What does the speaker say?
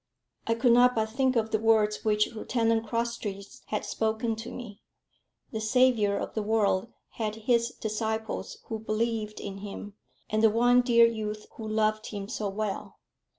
I could not but think of the words which Lieutenant Crosstrees had spoken to me. The Saviour of the world had His disciples who believed in Him, and the one dear youth who loved Him so well.